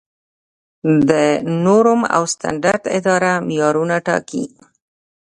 د نورم او سټنډرډ اداره معیارونه ټاکي